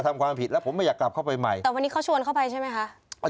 แต่วันนี้เขาชวนเข้าไปใช่ไหมคะ